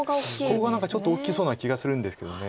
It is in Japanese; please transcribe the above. ここが何かちょっと大きそうな気がするんですけど。